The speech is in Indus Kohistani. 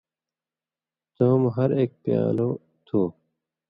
څؤں مہ ہر اک پیالوۡ تُھو